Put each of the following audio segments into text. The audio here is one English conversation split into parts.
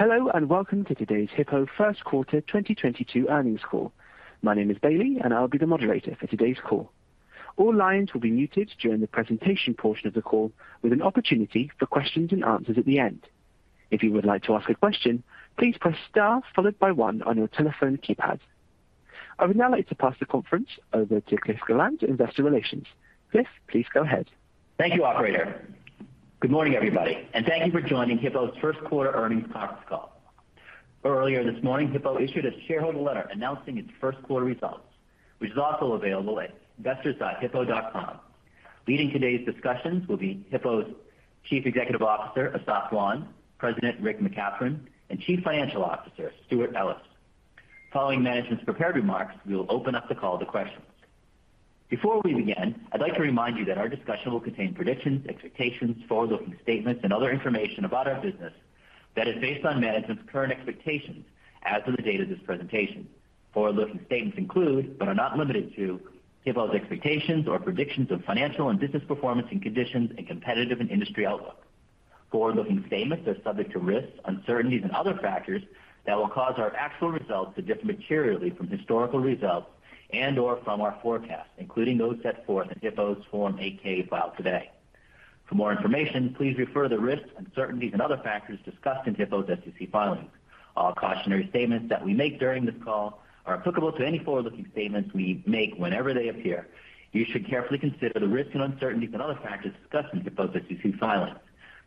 Hello, and welcome to today's Hippo First Quarter 2022 Earnings Call. My name is Bailey, and I'll be the moderator for today's call. All lines will be muted during the presentation portion of the call, with an opportunity for questions and answers at the end. If you would like to ask a question, please press star followed by one on your telephone keypad. I would now like to pass the conference over to Cliff Gallant, Investor Relations. Cliff, please go ahead. Thank you, operator. Good morning, everybody, and thank you for joining Hippo's first quarter earnings conference call. Earlier this morning, Hippo issued a shareholder letter announcing its first quarter results, which is also available at investors.hippo.com. Leading today's discussions will be Hippo's Chief Executive Officer, Assaf Wand; President, Richard McCathron; and Chief Financial Officer, Stewart Ellis. Following management's prepared remarks, we will open up the call to questions. Before we begin, I'd like to remind you that our discussion will contain predictions, expectations, forward-looking statements and other information about our business that is based on management's current expectations as of the date of this presentation. Forward-looking statements include, but are not limited to, Hippo's expectations or predictions of financial and business performance and conditions and competitive and industry outlook. Forward-looking statements are subject to risks, uncertainties and other factors that will cause our actual results to differ materially from historical results and/or from our forecasts, including those set forth in Hippo's Form 8-K filed today. For more information, please refer to the risks, uncertainties and other factors discussed in Hippo's SEC filings. All cautionary statements that we make during this call are applicable to any forward-looking statements we make whenever they appear. You should carefully consider the risks and uncertainties and other factors discussed in Hippo's SEC filings.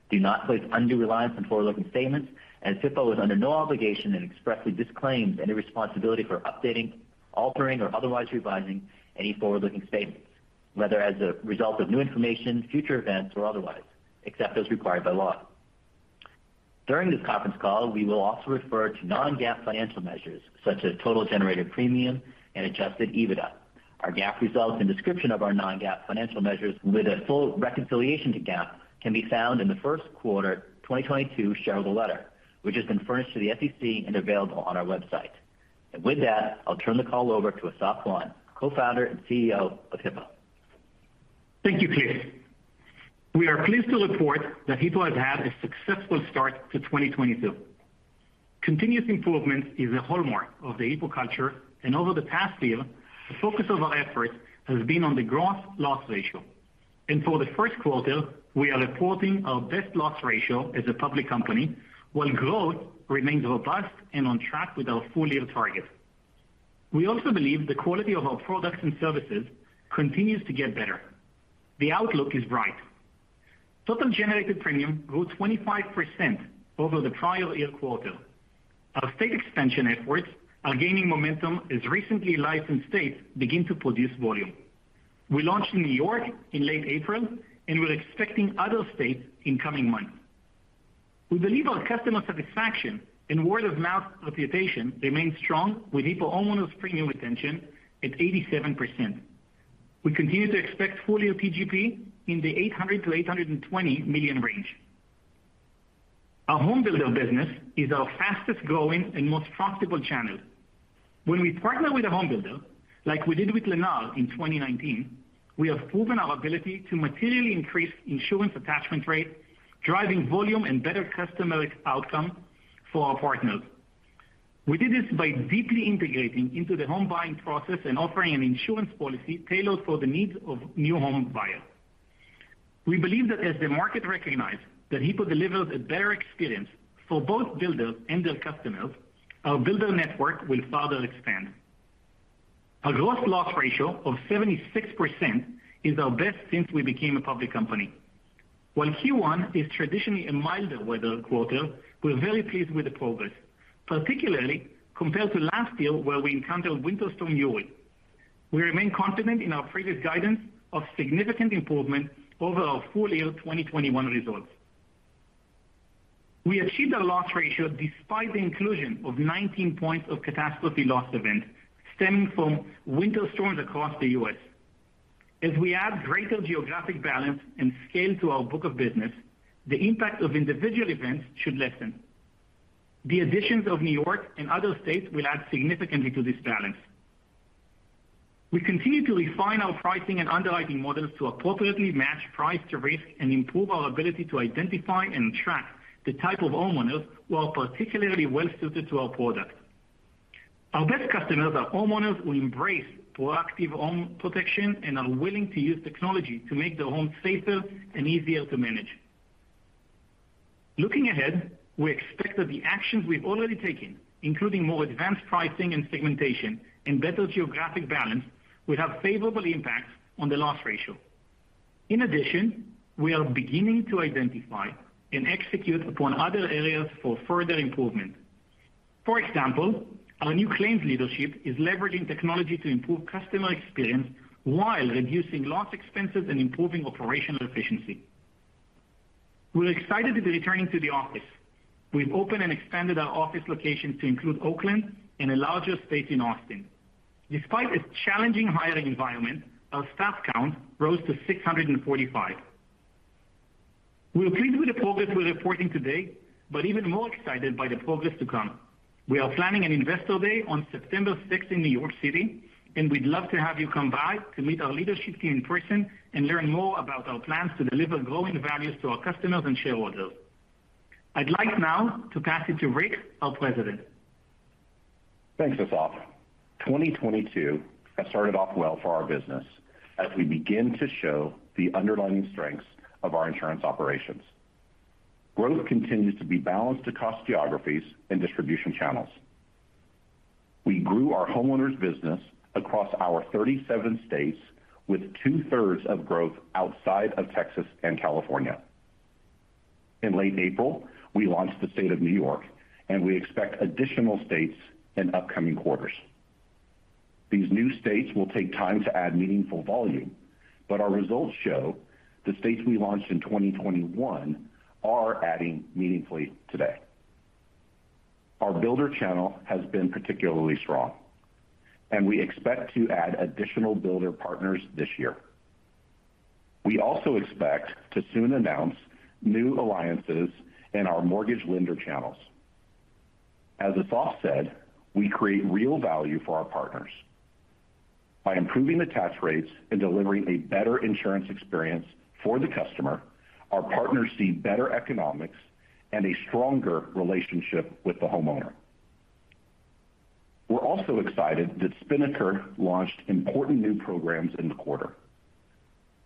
Do not place undue reliance on forward-looking statements as Hippo is under no obligation and expressly disclaims any responsibility for updating, altering, or otherwise revising any forward-looking statements, whether as a result of new information, future events, or otherwise, except as required by law. During this conference call, we will also refer to non-GAAP financial measures such as total generated premium and adjusted EBITDA. Our GAAP results and description of our non-GAAP financial measures with a full reconciliation to GAAP can be found in the first quarter 2022 shareholder letter, which has been furnished to the SEC and available on our website. With that, I'll turn the call over to Assaf Wand, Co-founder and CEO of Hippo. Thank you, Cliff. We are pleased to report that Hippo has had a successful start to 2022. Continuous improvement is a hallmark of the Hippo culture, and over the past year, the focus of our effort has been on the gross loss ratio. For the first quarter, we are reporting our best loss ratio as a public company, while growth remains robust and on track with our full year target. We also believe the quality of our products and services continues to get better. The outlook is bright. Total generated premium grew 25% over the prior-year quarter. Our state expansion efforts are gaining momentum as recently licensed states begin to produce volume. We launched in New York in late April, and we're expecting other states in coming months. We believe our customer satisfaction and word of mouth reputation remains strong with Hippo homeowners premium retention at 87%. We continue to expect full year TGP in the $800 million-$820 million range. Our home builder business is our fastest-growing and most profitable channel. When we partner with a home builder, like we did with Lennar in 2019, we have proven our ability to materially increase insurance attachment rate, driving volume and better customer outcome for our partners. We did this by deeply integrating into the home buying process and offering an insurance policy tailored for the needs of new home buyers. We believe that as the market recognize that Hippo delivers a better experience for both builders and their customers, our builder network will further expand. Our gross loss ratio of 76% is our best since we became a public company. While Q1 is traditionally a milder weather quarter, we're very pleased with the progress, particularly compared to last year, where we encountered Winter Storm Uri. We remain confident in our previous guidance of significant improvement over our full year 2021 results. We achieved a loss ratio despite the inclusion of 19 points of catastrophe loss event stemming from winter storms across the U.S. As we add greater geographic balance and scale to our book of business, the impact of individual events should lessen. The additions of New York and other states will add significantly to this balance. We continue to refine our pricing and underwriting models to appropriately match price to risk and improve our ability to identify and track the type of homeowners who are particularly well suited to our product. Our best customers are homeowners who embrace proactive home protection and are willing to use technology to make their homes safer and easier to manage. Looking ahead, we expect that the actions we've already taken, including more advanced pricing and segmentation and better geographic balance, will have favorably impacts on the loss ratio. In addition, we are beginning to identify and execute upon other areas for further improvement. For example, our new claims leadership is leveraging technology to improve customer experience while reducing loss expenses and improving operational efficiency. We're excited to be returning to the office. We've opened and expanded our office locations to include Oakland and a larger space in Austin. Despite a challenging hiring environment, our staff count rose to 645. We're pleased with the progress we're reporting today, but even more excited by the progress to come. We are planning an Investor Day on September 6th in New York City, and we'd love to have you come by to meet our leadership team in person and learn more about our plans to deliver growing values to our customers and shareholders. I'd like now to pass it to Rick, our president. Thanks, Assaf. 2022 has started off well for our business as we begin to show the underlying strengths of our insurance operations. Growth continues to be balanced across geographies and distribution channels. We grew our homeowners business across our 37 states with 2/3 of growth outside of Texas and California. In late April, we launched the state of New York, and we expect additional states in upcoming quarters. These new states will take time to add meaningful volume, but our results show the states we launched in 2021 are adding meaningfully today. Our builder channel has been particularly strong, and we expect to add additional builder partners this year. We also expect to soon announce new alliances in our mortgage lender channels. As Assaf said, we create real value for our partners. By improving attach rates and delivering a better insurance experience for the customer, our partners see better economics and a stronger relationship with the homeowner. We're also excited that Spinnaker launched important new programs in the quarter.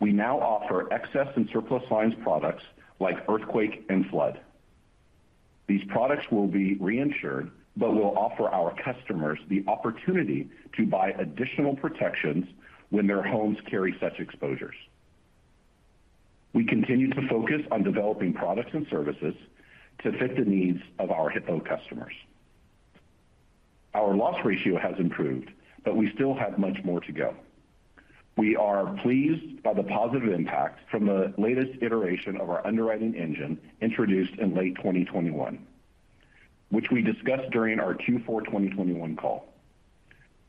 We now offer excess and surplus lines products like earthquake and flood. These products will be reinsured, but will offer our customers the opportunity to buy additional protections when their homes carry such exposures. We continue to focus on developing products and services to fit the needs of our Hippo customers. Our loss ratio has improved, but we still have much more to go. We are pleased by the positive impact from the latest iteration of our underwriting engine introduced in late 2021, which we discussed during our Q4 2021 call.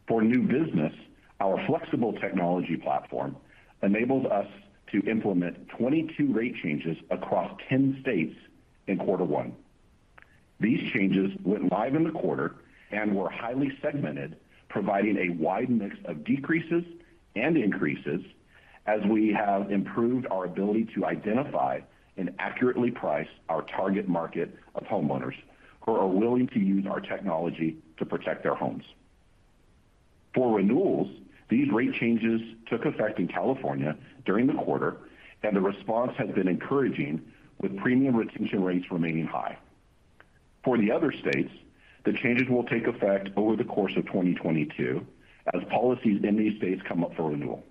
For new business, our flexible technology platform enabled us to implement 22 rate changes across 10 states in quarter one. These changes went live in the quarter and were highly segmented, providing a wide mix of decreases and increases as we have improved our ability to identify and accurately price our target market of homeowners who are willing to use our technology to protect their homes. For renewals, these rate changes took effect in California during the quarter, and the response has been encouraging, with premium retention rates remaining high. For the other states, the changes will take effect over the course of 2022 as policies in these states come up for renewal.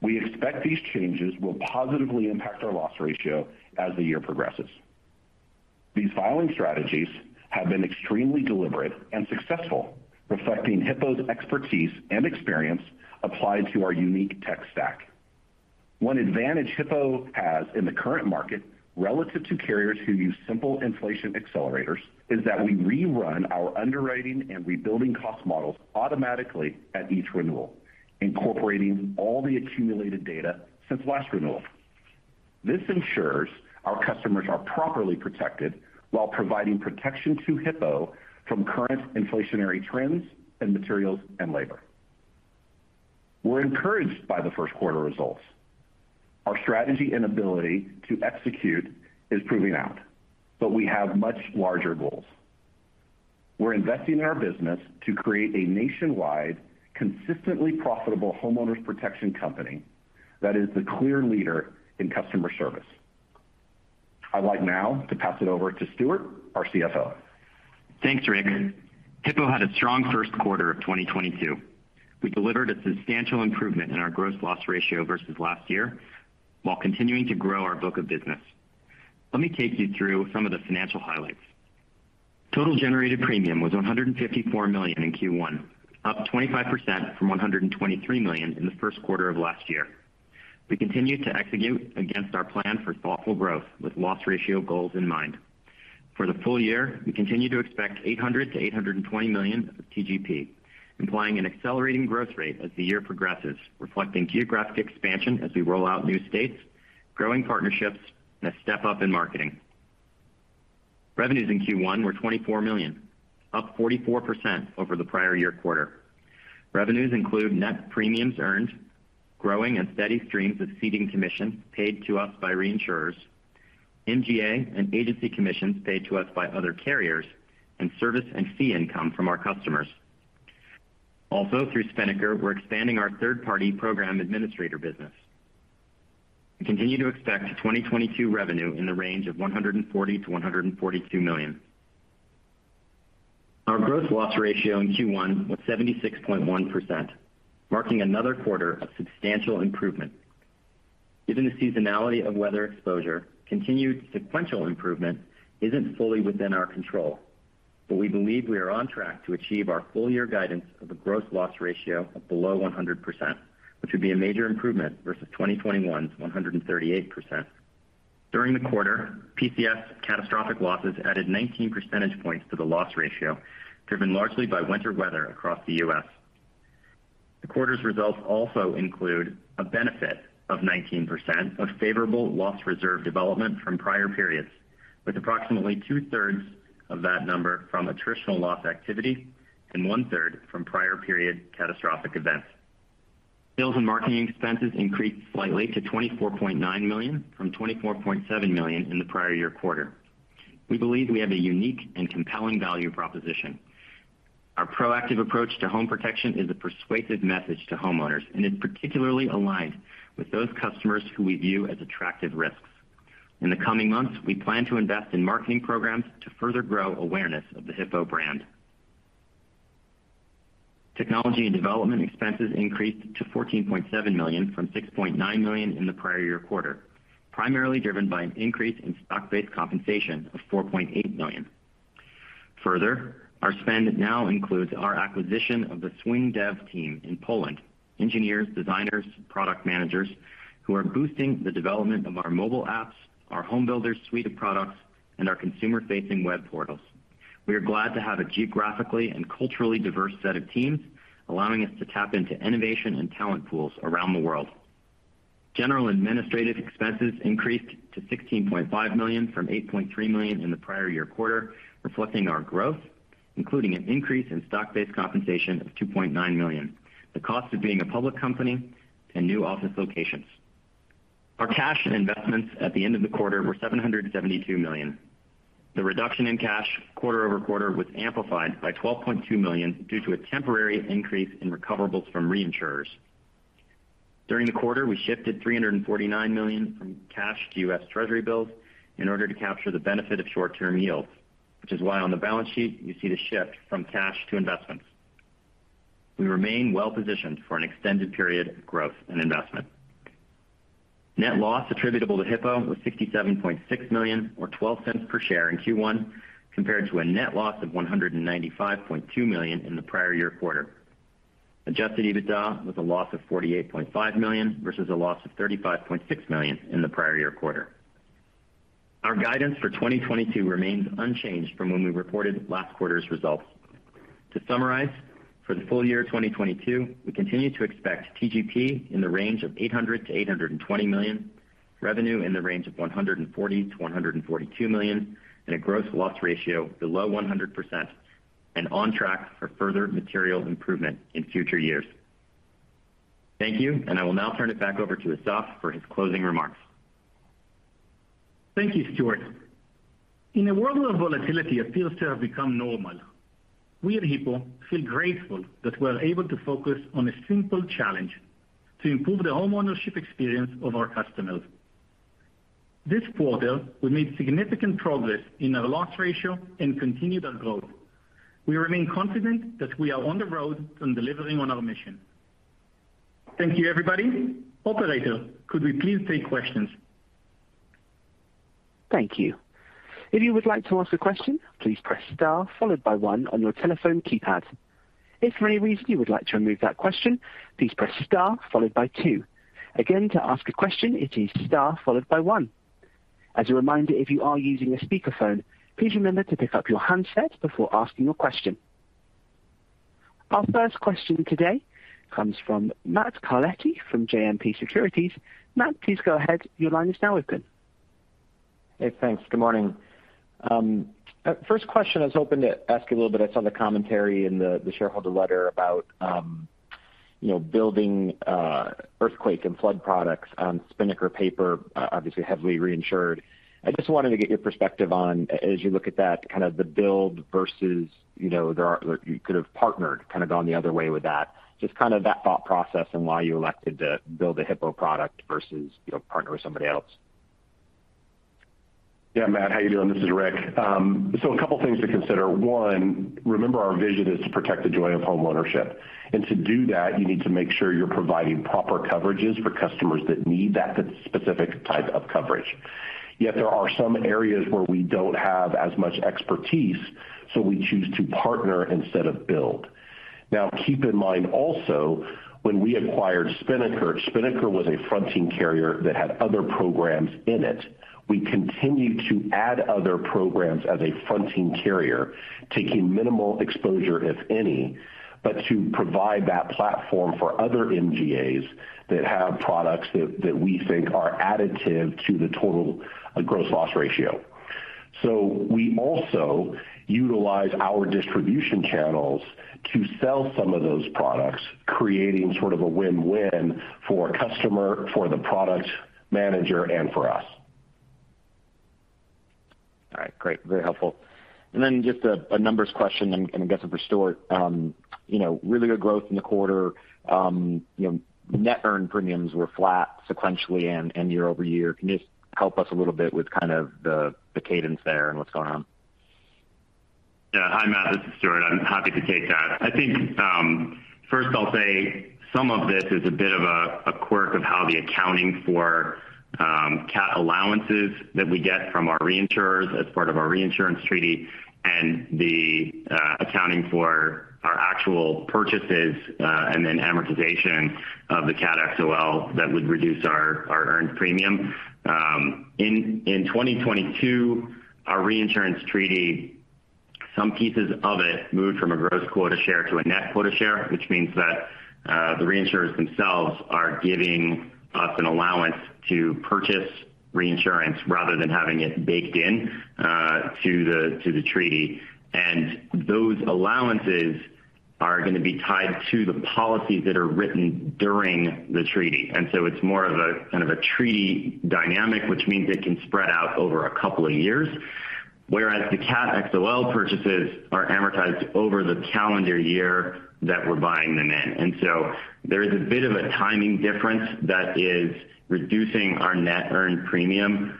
We expect these changes will positively impact our loss ratio as the year progresses. These filing strategies have been extremely deliberate and successful, reflecting Hippo's expertise and experience applied to our unique tech stack. One advantage Hippo has in the current market relative to carriers who use simple inflation accelerators is that we rerun our underwriting and rebuilding cost models automatically at each renewal, incorporating all the accumulated data since last renewal. This ensures our customers are properly protected while providing protection to Hippo from current inflationary trends in materials and labor. We're encouraged by the first quarter results. Our strategy and ability to execute is proving out, but we have much larger goals. We're investing in our business to create a nationwide, consistently profitable homeowners protection company that is the clear leader in customer service. I'd like now to pass it over to Stewart, our CFO. Thanks, Rick. Hippo had a strong first quarter of 2022. We delivered a substantial improvement in our gross loss ratio versus last year while continuing to grow our book of business. Let me take you through some of the financial highlights. Total generated premium was $154 million in Q1, up 25% from $123 million in the first quarter of last year. We continue to execute against our plan for thoughtful growth with loss ratio goals in mind. For the full year, we continue to expect $800 million-$820 million of TGP, implying an accelerating growth rate as the year progresses, reflecting geographic expansion as we roll out new states, growing partnerships, and a step-up in marketing. Revenues in Q1 were $24 million, up 44% over the prior-year quarter. Revenues include net premiums earned, growing and steady streams of ceding commissions paid to us by reinsurers, MGA and agency commissions paid to us by other carriers, and service and fee income from our customers. Through Spinnaker, we're expanding our third-party program administrator business. We continue to expect 2022 revenue in the range of $140 million-$142 million. Our gross loss ratio in Q1 was 76.1%, marking another quarter of substantial improvement. Given the seasonality of weather exposure, continued sequential improvement isn't fully within our control, but we believe we are on track to achieve our full year guidance of a gross loss ratio of below 100%, which would be a major improvement versus 2021's 138%. During the quarter, PCS catastrophic losses added 19 percentage points to the loss ratio, driven largely by winter weather across the U.S. The quarter's results also include a benefit of 19% of favorable loss reserve development from prior periods, with approximately 2/3 of that number from attritional loss activity and 1/3 from prior-period catastrophic events. Sales and marketing expenses increased slightly to $24.9 million from $24.7 million in the prior-year quarter. We believe we have a unique and compelling value proposition. Our proactive approach to home protection is a persuasive message to homeowners, and it's particularly aligned with those customers who we view as attractive risks. In the coming months, we plan to invest in marketing programs to further grow awareness of the Hippo brand. Technology and development expenses increased to $14.7 million from $6.9 million in the prior-year quarter, primarily driven by an increase in stock-based compensation of $4.8 million. Further, our spend now includes our acquisition of the SwingDev team in Poland, engineers, designers, product managers who are boosting the development of our mobile apps, our home builders suite of products, and our consumer-facing web portals. We are glad to have a geographically and culturally diverse set of teams, allowing us to tap into innovation and talent pools around the world. General administrative expenses increased to $16.5 million from $8.3 million in the prior-year quarter, reflecting our growth, including an increase in stock-based compensation of $2.9 million, the cost of being a public company and new office locations. Our cash and investments at the end of the quarter were $772 million. The reduction in cash quarter-over-quarter was amplified by $12.2 million due to a temporary increase in recoverables from reinsurers. During the quarter, we shifted $349 million from cash to U.S. Treasury bills in order to capture the benefit of short-term yields, which is why on the balance sheet you see the shift from cash to investments. We remain well positioned for an extended period of growth and investment. Net loss attributable to Hippo was $67.6 million or $0.12 per share in Q1, compared to a net loss of $195.2 million in the prior-year quarter. Adjusted EBITDA was a loss of $48.5 million versus a loss of $35.6 million in the prior-year quarter. Our guidance for 2022 remains unchanged from when we reported last quarter's results. To summarize, for the full year 2022, we continue to expect TGP in the range of $800 million-$820 million, revenue in the range of $140 million-$142 million, and a gross loss ratio below 100% and on track for further material improvement in future years. Thank you. I will now turn it back over to Assaf for his closing remarks. Thank you, Stewart. In a world where volatility appears to have become normal, we at Hippo feel grateful that we are able to focus on a simple challenge to improve the homeownership experience of our customers. This quarter, we made significant progress in our loss ratio and continued our growth. We remain confident that we are on the road to delivering on our mission. Thank you, everybody. Operator, could we please take questions? Thank you. If you would like to ask a question, please press star followed by one on your telephone keypad. If for any reason you would like to remove that question, please press star followed by two. Again, to ask a question, it is star followed by one. As a reminder, if you are using a speakerphone, please remember to pick up your handset before asking your question. Our first question today comes from Matt Carletti from JMP Securities. Matt, please go ahead. Your line is now open. Hey, thanks. Good morning. First question, I was hoping to ask you a little bit. I saw the commentary in the shareholder letter about, you know, building earthquake and flood products on Spinnaker paper, obviously heavily reinsured. I just wanted to get your perspective on as you look at that, kind of the build versus, you know, you could have partnered kind of gone the other way with that, just kind of that thought process and why you elected to build a Hippo product versus, you know, partner with somebody else. Yeah, Matt, how are you doing? This is Rick. So a couple of things to consider. One, remember our vision is to protect the joy of homeownership. To do that, you need to make sure you're providing proper coverages for customers that need that specific type of coverage. Yet there are some areas where we don't have as much expertise, so we choose to partner instead of build. Now, keep in mind also, when we acquired Spinnaker, Spinnaker was a fronting carrier that had other programs in it. We continue to add other programs as a fronting carrier, taking minimal exposure, if any, but to provide that platform for other MGAs that have products that we think are additive to the total gross loss ratio. We also utilize our distribution channels to sell some of those products, creating sort of a win-win for a customer, for the product manager, and for us. All right, great. Very helpful. Then just a numbers question and I guess it's for Stewart. You know, really good growth in the quarter. You know, net earned premiums were flat sequentially and year-over-year. Can you just help us a little bit with kind of the cadence there and what's going on? Yeah. Hi, Matt, this is Stewart. I'm happy to take that. I think first I'll say some of this is a bit of a quirk of how the accounting for cat allowances that we get from our reinsurers as part of our reinsurance treaty and the accounting for our actual purchases, and then amortization of the cat XoL that would reduce our earned premium. In 2022, our reinsurance treaty. Some pieces of it moved from a gross quota share to a net quota share, which means that the reinsurers themselves are giving us an allowance to purchase reinsurance rather than having it baked in to the treaty. Those allowances are gonna be tied to the policies that are written during the treaty. It's more of a kind of a treaty dynamic, which means it can spread out over a couple of years, whereas the cat XoL purchases are amortized over the calendar year that we're buying them in. There is a bit of a timing difference that is reducing our net earned premium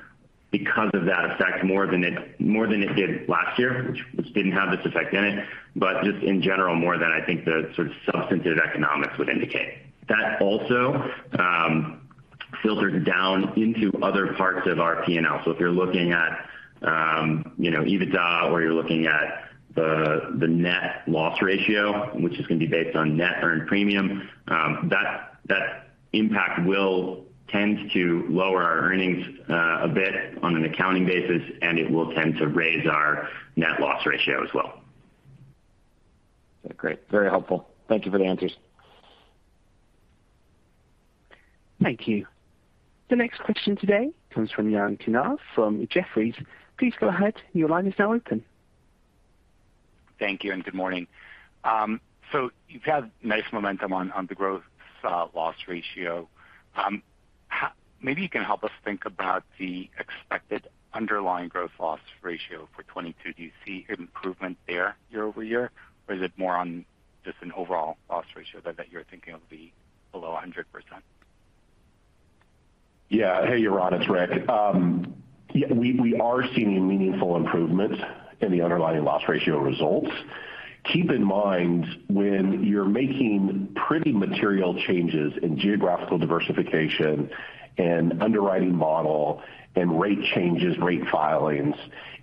because of that effect more than it did last year, which didn't have this effect in it, but just in general, more than I think the sort of substantive economics would indicate. That also filters down into other parts of our P&L. If you're looking at, you know, EBITDA or you're looking at the net loss ratio, which is gonna be based on net earned premium, that impact will tend to lower our earnings a bit on an accounting basis, and it will tend to raise our net loss ratio as well. Great. Very helpful. Thank you for the answers. Thank you. The next question today comes from Yaron Kinar from Jefferies. Please go ahead. Your line is now open. Thank you and good morning. You've had nice momentum on the gross loss ratio. Maybe you can help us think about the expected underlying gross loss ratio for 2022. Do you see improvement there year-over-year? Or is it more on just an overall loss ratio that you're thinking of being below 100%? Yeah. Hey, Yaron, it's Rick. We are seeing meaningful improvement in the underlying loss ratio results. Keep in mind, when you're making pretty material changes in geographical diversification and underwriting model and rate changes, rate filings,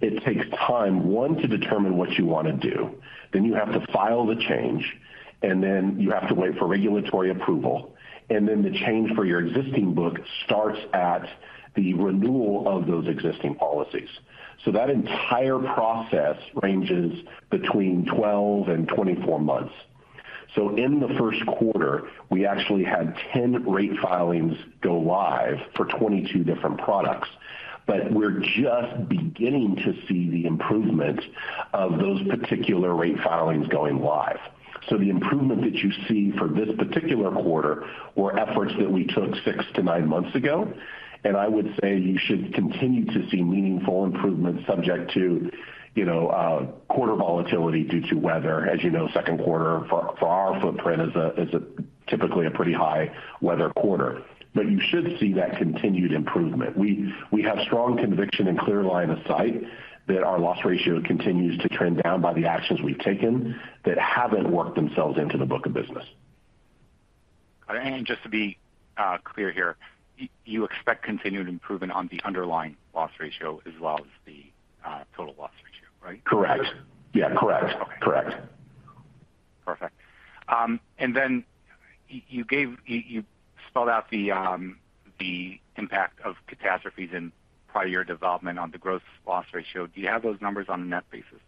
it takes time. One, to determine what you wanna do. Then, you have to file the change, and then you have to wait for regulatory approval. Then the change for your existing book starts at the renewal of those existing policies. That entire process ranges between 12 and 24 months. In the first quarter, we actually had 10 rate filings go live for 22 different products, but we're just beginning to see the improvement of those particular rate filings going live. The improvement that you see for this particular quarter were efforts that we took six to nine months ago, and I would say you should continue to see meaningful improvements subject to, you know, quarter volatility due to weather. As you know, second quarter for our footprint is typically a pretty high weather quarter. You should see that continued improvement. We have strong conviction and clear line of sight that our loss ratio continues to trend down by the actions we've taken that haven't worked themselves into the book of business. Just to be clear here, you expect continued improvement on the underlying loss ratio as well as the total loss ratio, right? Correct. Yeah, correct. Okay. Correct. Perfect. You spelled out the impact of catastrophes in prior-year development on the gross loss ratio. Do you have those numbers on a net basis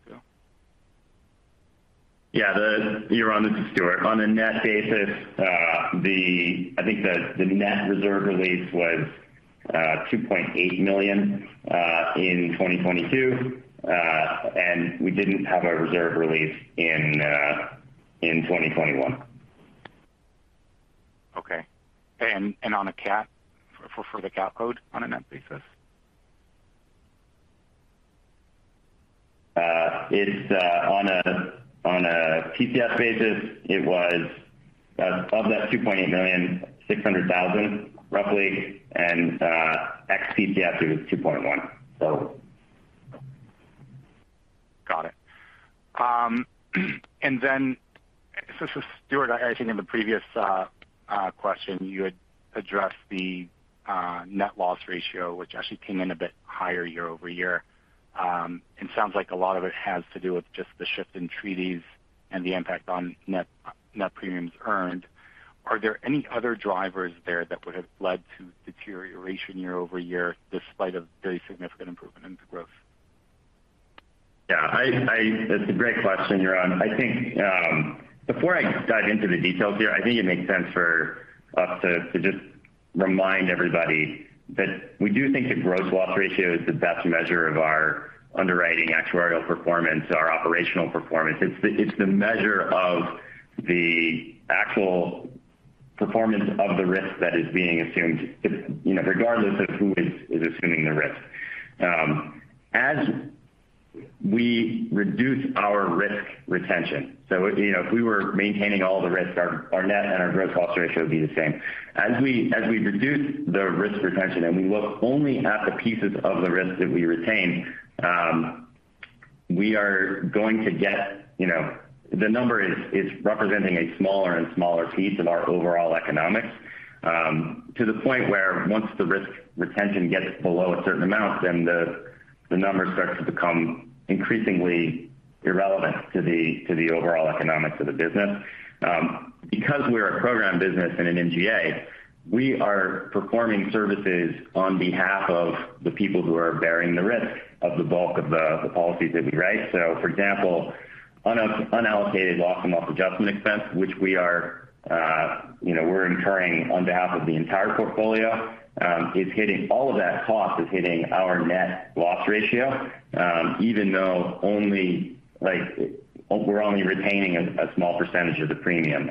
too? Yaron, this is Stewart. On a net basis, I think the net reserve release was $2.8 million in 2022, and we didn't have a reserve release in 2021. Okay. On a cat, for the cat [load] on a net basis? It's... On a PCS basis, it was, above that $2.8 million, $600,000 roughly. Ex-PCS, it was $2.1 million. Got it. So, Stewart. I think in the previous question, you had addressed the net loss ratio, which actually came in a bit higher year-over-year. It sounds like a lot of it has to do with just the shift in treaties and the impact on net premiums earned. Are there any other drivers there that would have led to deterioration year-over-year despite a very significant improvement in the growth? Yeah. That's a great question, Yaron. I think, before I dive into the details here, I think it makes sense for us to just remind everybody that we do think the gross loss ratio is the best measure of our underwriting actuarial performance, our operational performance. It's the measure of the actual performance of the risk that is being assumed, you know, regardless of who is assuming the risk. As we reduce our risk retention, so, you know, if we were maintaining all the risk, our net and our gross loss ratio would be the same. As we reduce the risk retention and we look only at the pieces of the risk that we retain, we are going to get, you know, the number is representing a smaller and smaller piece of our overall economics, to the point where once the risk retention gets below a certain amount. Then the number starts to become increasingly irrelevant to the overall economics of the business. Because we're a program business and an MGA, we are performing services on behalf of the people who are bearing the risk of the bulk of the policies that we write. For example, unallocated loss and loss adjustment expense, which, you know, we're incurring on behalf of the entire portfolio. All of that cost is hitting our net loss ratio, even though only like we're retaining a small percentage of the premium.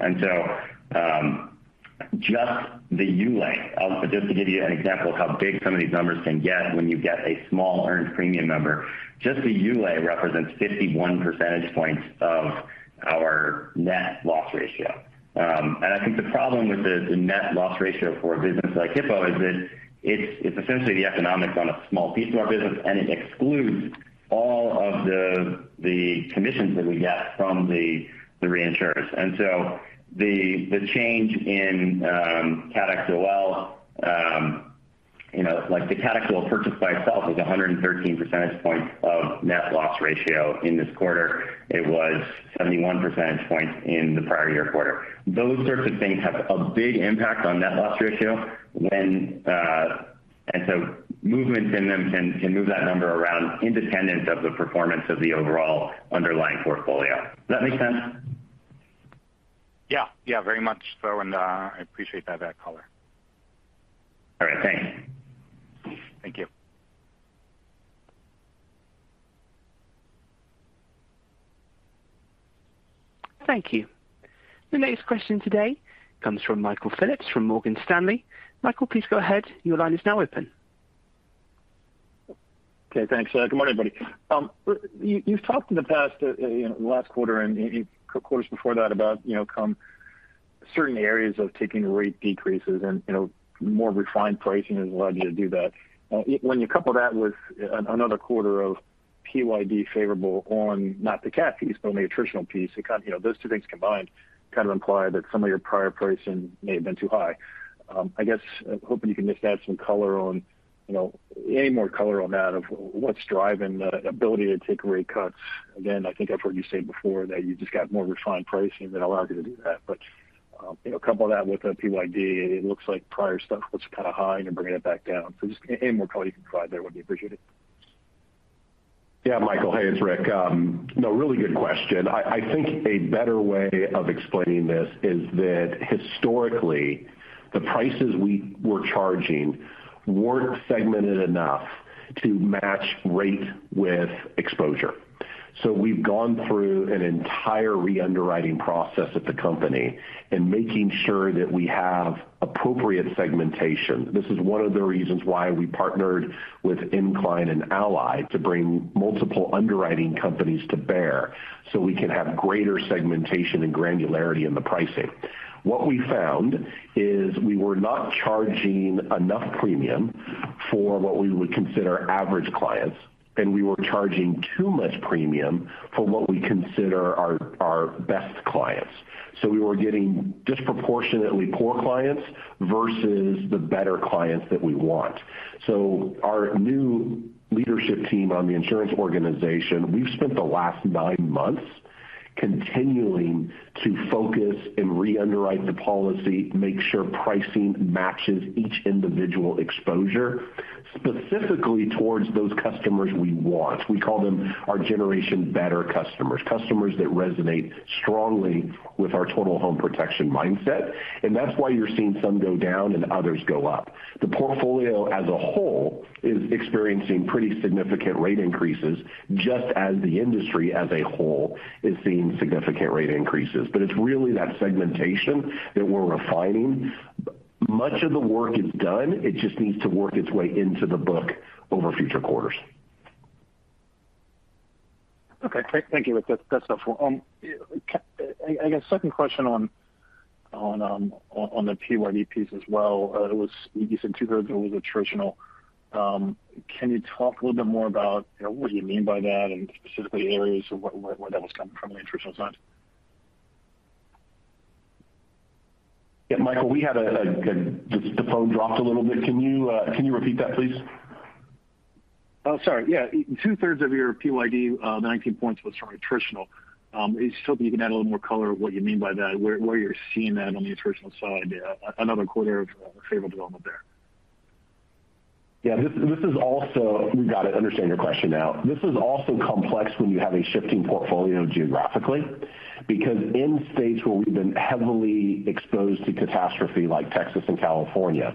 Just the ULAE. Just to give you an example of how big some of these numbers can get when you get a small earned premium number, just the ULAE represents 51 percentage points of our net loss ratio. I think the problem with the net loss ratio for a business like Hippo is that it's essentially the economics on a small piece of our business, and it excludes all of the commissions that we get from the reinsurers. The change in cat XoL, you know, like the cat XoL purchase by itself is 113 percentage points of net loss ratio in this quarter. It was 71 percentage points in the prior-year quarter. Those sorts of things have a big impact on net loss ratio, and so movements in them can move that number around independent of the performance of the overall underlying portfolio. Does that make sense? Yeah. Yeah, very much so. I appreciate that color. All right, thanks. Thank you. Thank you. The next question today comes from Michael Phillips from Morgan Stanley. Michael, please go ahead. Your line is now open. Okay, thanks. Good morning, everybody. You've talked in the past, you know, last quarter and in quarters before that about, you know, some certain areas of taking rate decreases and, you know, more refined pricing has allowed you to do that. When you couple that with another quarter of PYD favorable on not the cat piece but only attritional piece, it kind of—you know, those two things combined kind of imply that some of your prior pricing may have been too high. I guess hoping you can just add some color on, you know, any more color on that of what's driving the ability to take rate cuts. Again, I think I've heard you say before that you just got more refined pricing that allowed you to do that. You know, couple that with a PYD, it looks like prior stuff was kind of high, and you're bringing it back down. Just any more color you can provide there would be appreciated. Yeah, Michael. Hey, it's Rick. No, really good question. I think a better way of explaining this is that historically, the prices we were charging weren't segmented enough to match rate with exposure. We've gone through an entire re-underwriting process at the company and making sure that we have appropriate segmentation. This is one of the reasons why we partnered with Incline and Ally to bring multiple underwriting companies to bear so we can have greater segmentation and granularity in the pricing. What we found is we were not charging enough premium for what we would consider average clients, and we were charging too much premium for what we consider our best clients. We were getting disproportionately poor clients versus the better clients that we want. Our new leadership team on the insurance organization, we've spent the last nine months continuing to focus and re-underwrite the policy, make sure pricing matches each individual exposure, specifically towards those customers we want. We call them our Generation Better customers that resonate strongly with our total home protection mindset. That's why you're seeing some go down and others go up. The portfolio as a whole is experiencing pretty significant rate increases, just as the industry as a whole is seeing significant rate increases. It's really that segmentation that we're refining. Much of the work is done. It just needs to work its way into the book over future quarters. Okay. Thank you. That's helpful. I guess second question on the PYD piece as well. It was. You said 2/3 of it was attritional. Can you talk a little bit more about, you know, what you mean by that and specifically areas of where that was coming from on the attritional side? Yeah, Michael, we had the phone dropped a little bit. Can you repeat that, please? Oh, sorry. Yeah. Two-thirds of your PYD, 19 points was from attritional. I was hoping you can add a little more color of what you mean by that, where you're seeing that on the attritional side. Another quarter of favorable development there. Yeah. We got it. I understand your question now. This is also complex when you have a shifting portfolio geographically, because in states where we've been heavily exposed to catastrophe like Texas and California,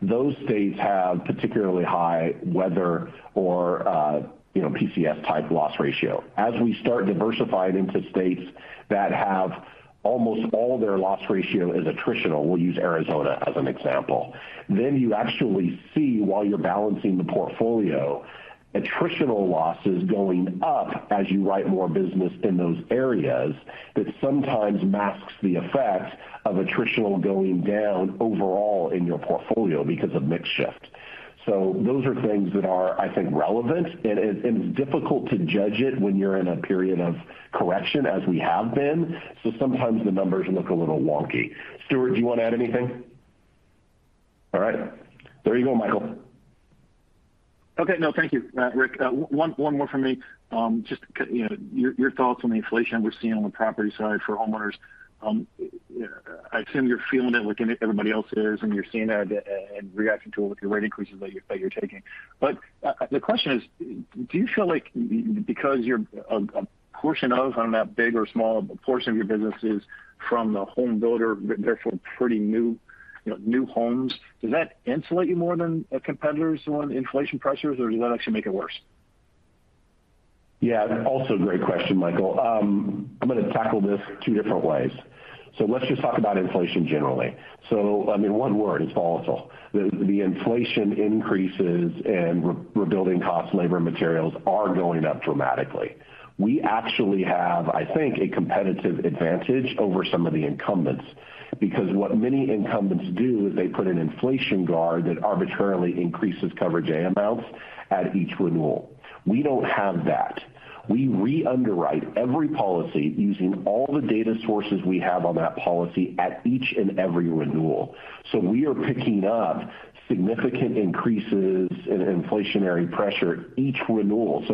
those states have particularly high weather or, you know, PCS-type loss ratio. As we start diversifying into states that have almost all their loss ratio is attritional, we'll use Arizona as an example. Then you actually see, while you're balancing the portfolio, attritional losses going up as you write more business in those areas. That sometimes masks the effect of attritional going down overall in your portfolio because of mix shift. Those are things that are, I think, relevant, and it's difficult to judge it when you're in a period of correction as we have been. Sometimes the numbers look a little wonky. Stewart, do you want to add anything? All right. There you go, Michael. Okay. No, thank you, Rick. One more for me. Just you know, your thoughts on the inflation we're seeing on the property side for homeowners. I assume you're feeling it like everybody else is, and you're seeing that and reacting to it with your rate increases that you're taking. The question is, do you feel like because you're... a portion of, I don't know how big or small portion of your business is from the home builder, therefore pretty new, you know, new homes, does that insulate you more than competitors on inflation pressures, or does that actually make it worse? Yeah. Also great question, Michael. I'm gonna tackle this two different ways. Let's just talk about inflation generally. I mean, one word, it's volatile. The inflation increases and rebuilding costs, labor, materials are going up dramatically. We actually have, I think, a competitive advantage over some of the incumbents because what many incumbents do is they put an inflation guard that arbitrarily increases coverage A amounts at each renewal. We don't have that. We re-underwrite every policy using all the data sources we have on that policy at each and every renewal. We are picking up significant increases in inflationary pressure each renewal.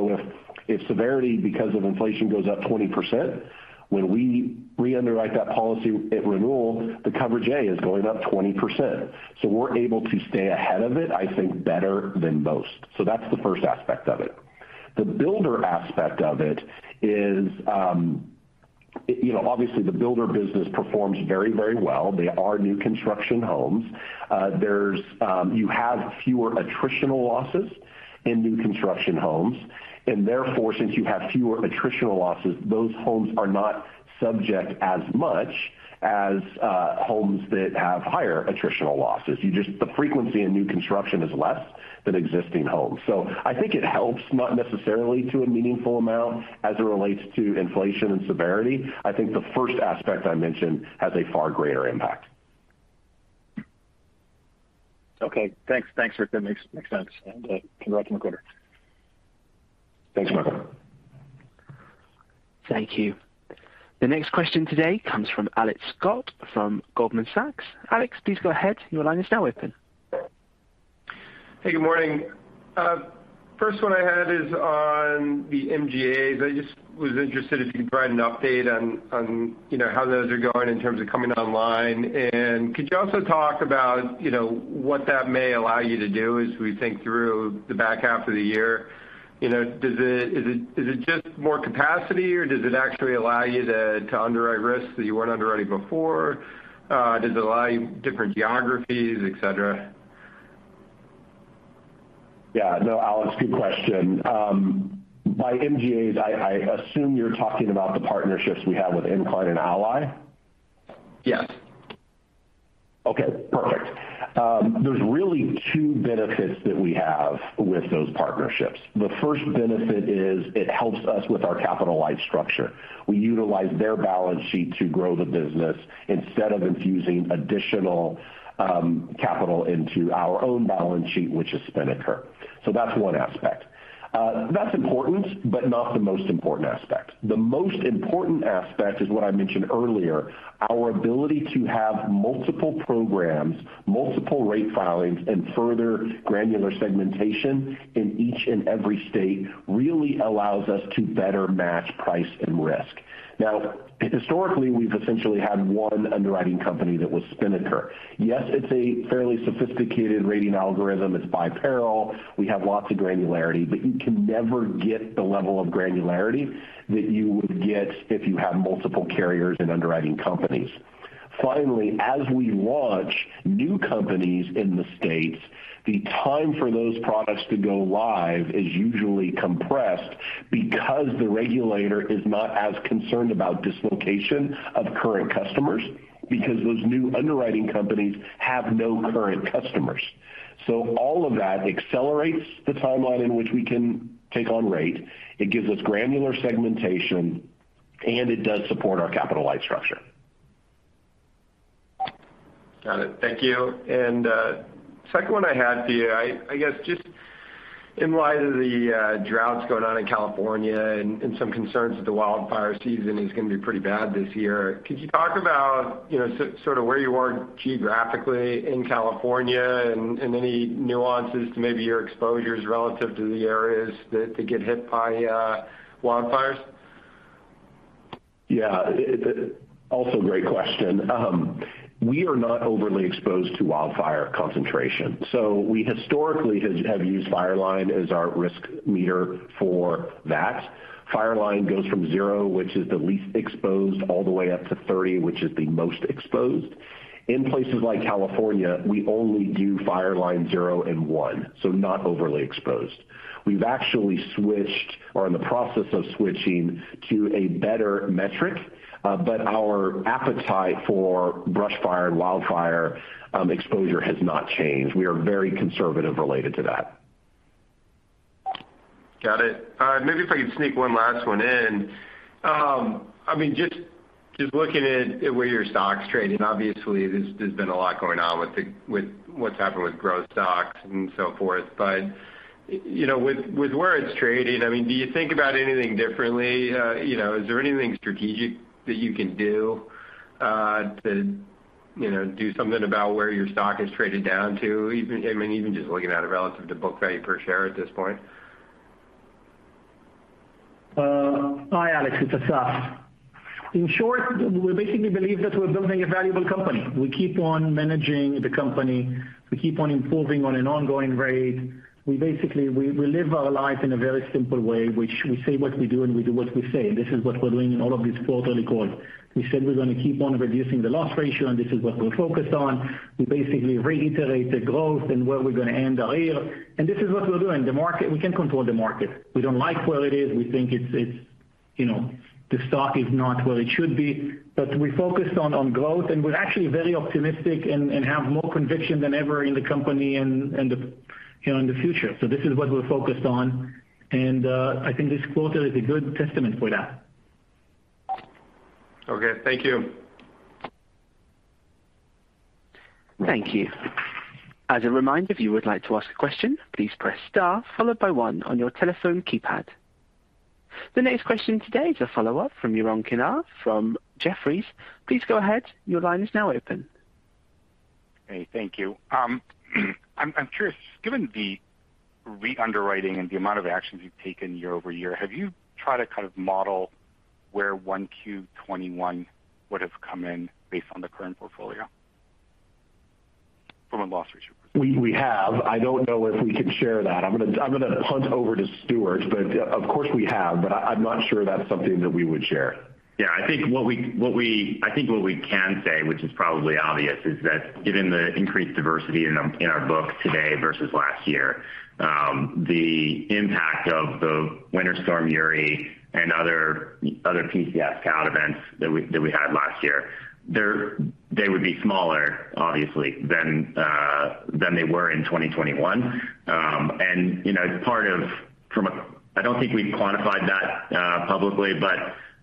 If severity because of inflation goes up 20%, when we re-underwrite that policy at renewal, the coverage A is going up 20%. We're able to stay ahead of it, I think, better than most. That's the first aspect of it. The builder aspect of it is, you know, obviously, the builder business performs very, very well. They are new construction homes. You have fewer attritional losses in new construction homes. Therefore, since you have fewer attritional losses, those homes are not subject as much as homes that have higher attritional losses. The frequency in new construction is less than existing homes. I think it helps, not necessarily to a meaningful amount as it relates to inflation and severity. I think the first aspect I mentioned has a far greater impact. Okay. Thanks. Thanks, Rick. That makes sense. Congrats on the quarter. Thanks, Michael. Thank you. The next question today comes from Alex Scott from Goldman Sachs. Alex, please go ahead. Your line is now open. Hey, good morning. First one I had is on the MGAs. I just was interested if you could provide an update on, you know, how those are going in terms of coming online. Could you also talk about, you know, what that may allow you to do as we think through the back half of the year? You know, does it, is it just more capacity, or does it actually allow you to underwrite risks that you weren't underwriting before? Does it allow you different geographies, et cetera? Yeah. No, Alex, good question. By MGAs I assume you're talking about the partnerships we have with Incline and Ally? Yes. Okay, perfect. There's really two benefits that we have with those partnerships. The first benefit is it helps us with our capital light structure. We utilize their balance sheet to grow the business instead of infusing additional capital into our own balance sheet, which is Spinnaker. That's one aspect. That's important, but not the most important aspect. The most important aspect is what I mentioned earlier. Our ability to have multiple programs, multiple rate filings, and further granular segmentation in each and every state really allows us to better match price and risk. Now, historically, we've essentially had one underwriting company that was Spinnaker. Yes, it's a fairly sophisticated rating algorithm. It's by peril. We have lots of granularity. You can never get the level of granularity that you would get if you had multiple carriers and underwriting companies. Finally, as we launch new companies in the states, the time for those products to go live is usually compressed because the regulator is not as concerned about dislocation of current customers because those new underwriting companies have no current customers. All of that accelerates the timeline in which we can take on rate. It gives us granular segmentation, and it does support our capital light structure. Got it. Thank you. Second one I had for you, I guess just in light of the droughts going on in California and some concerns that the wildfire season is gonna be pretty bad this year, could you talk about, you know, sort of where you are geographically in California and any nuances to maybe your exposures relative to the areas that get hit by wildfires? Yeah. Also great question. We are not overly exposed to wildfire concentration, so we historically have used FireLine as our risk meter for that. FireLine goes from 0, which is the least exposed, all the way up to 3, which is the most exposed. In places like California, we only do FireLine 0 and 1, so not overly exposed. We've actually switched or are in the process of switching to a better metric, but our appetite for brush fire and wildfire exposure has not changed. We are very conservative related to that. Got it. Maybe if I could sneak one last one in. I mean, just looking at the way your stock's trading, obviously there's been a lot going on with what's happened with growth stocks and so forth. You know, with where it's trading, I mean, do you think about anything differently? You know, is there anything strategic that you can do to, you know, do something about where your stock has traded down to? I mean, even just looking at it relative to book value per share at this point. Hi, Alex, it's Assaf. In short, we basically believe that we're building a valuable company. We keep on managing the company, we keep on improving on an ongoing rate. We basically live our lives in a very simple way, which we say what we do, and we do what we say. This is what we're doing in all of these quarterly calls. We said we're gonna keep on reducing the loss ratio, and this is what we're focused on. We basically reiterated growth and where we're gonna end the year, and this is what we're doing. The market, we can't control the market. We don't like where it is. We think it's, you know, the stock is not where it should be. We're focused on growth, and we're actually very optimistic and have more conviction than ever in the company and the, you know, in the future. This is what we're focused on, and I think this quarter is a good testament for that. Okay. Thank you. Thank you. As a reminder, if you would like to ask a question, please press star followed by one on your telephone keypad. The next question today is a follow-up from Yaron Kinar from Jefferies. Please go ahead. Your line is now open. Hey, thank you. I'm curious, given the re-underwriting and the amount of actions you've taken year-over-year, have you tried to kind of model where 1Q 2021 would've come in based on the current portfolio from a loss ratio perspective? We have. I don't know if we can share that. I'm gonna punt over to Stewart, but of course we have, but I'm not sure that's something that we would share. Yeah. I think what we can say, which is probably obvious, is that given the increased diversity in our book today versus last year, the impact of the Winter Storm Uri and other PCS cat events that we had last year, they would be smaller obviously than they were in 2021. You know, I don't think we've quantified that publicly,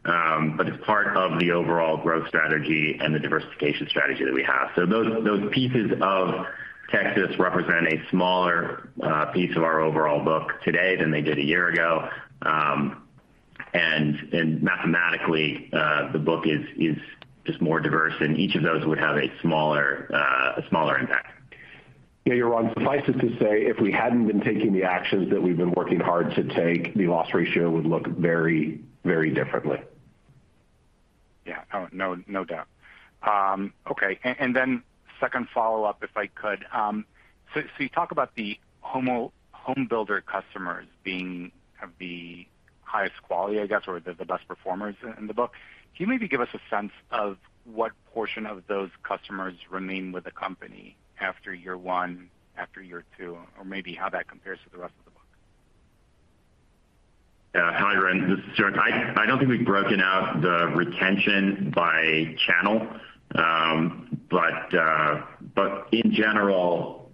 but as part of the overall growth strategy and the diversification strategy that we have. Those pieces of Texas represent a smaller piece of our overall book today than they did a year ago. Mathematically, the book is just more diverse and each of those would have a smaller impact. Yeah. Yaron, suffice it to say, if we hadn't been taking the actions that we've been working hard to take, the loss ratio would look very, very differently. Yeah. Oh, no doubt. Okay. Then second follow-up, if I could. So you talk about the home builder customers being the highest quality, I guess, or the best performers in the book. Can you maybe give us a sense of what portion of those customers remain with the company after year one, after year two, or maybe how that compares to the rest of the book? Yeah. Hi, Yaron, this is Stewart. I don't think we've broken out the retention by channel. But in general,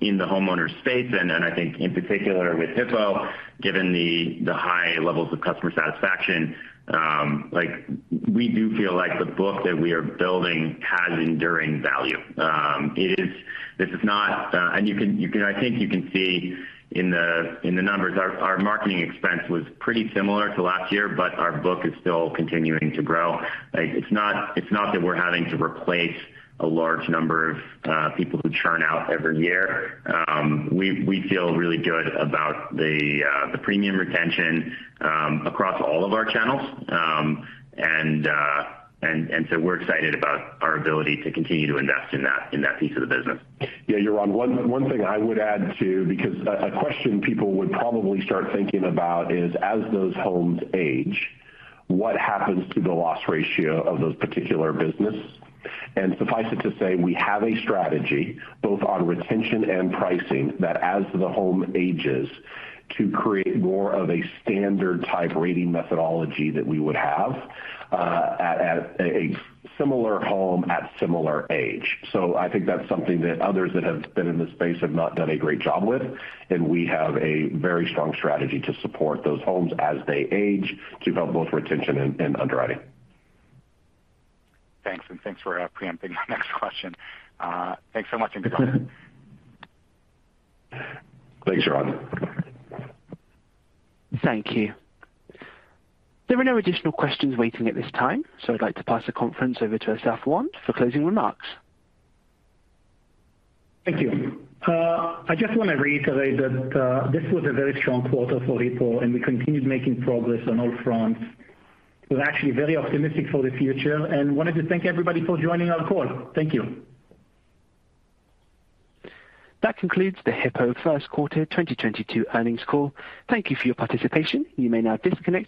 in the homeowner space, and then I think in particular with Hippo, given the high levels of customer satisfaction, like we do feel like the book that we are building has enduring value. This is not. You can, I think you can see in the numbers, our marketing expense was pretty similar to last year, but our book is still continuing to grow. Like, it's not that we're having to replace a large number of people who churn out every year. We feel really good about the premium retention across all of our channels. We're excited about our ability to continue to invest in that piece of the business. Yeah. Yaron, one thing I would add too, because a question people would probably start thinking about is, as those homes age, what happens to the loss ratio of those particular business? Suffice it to say, we have a strategy both on retention and pricing that as the home ages, to create more of a standard type rating methodology that we would have at a similar home at similar age. I think that's something that others that have been in this space have not done a great job with, and we have a very strong strategy to support those homes as they age to help both retention and underwriting. Thanks. Thanks for preempting my next question. Thanks so much and goodbye. Thanks, Yaron. Thank you. There are no additional questions waiting at this time, so I'd like to pass the conference over to Assaf Wand for closing remarks. Thank you. I just wanna reiterate that, this was a very strong quarter for Hippo, and we continued making progress on all fronts. We're actually very optimistic for the future and wanted to thank everybody for joining our call. Thank you. That concludes the Hippo First Quarter 2022 Earnings Call. Thank you for your participation. You may now disconnect your lines.